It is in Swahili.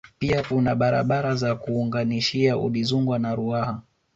Pia kuna barabara za kuunganishia Udizungwa na Ruaha